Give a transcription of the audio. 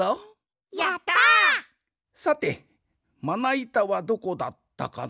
さてまないたはどこだったかな？